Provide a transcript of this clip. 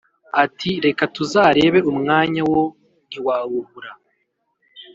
ati"reka tuzarebe umwanya wo ntiwawubura"